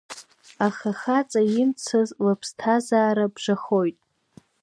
Аха хаҵа имцаз лԥсҭазаара бжахоит.